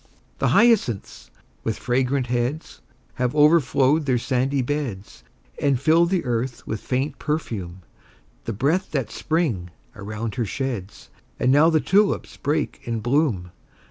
The hyacinths, with fragrant heads, Have overflowed their sandy beds, And fill the earth with faint perfume, The breath that Spring around her sheds. And now the tulips break in bloom!